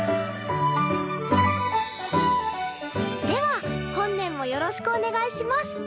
では本年もよろしくお願いします。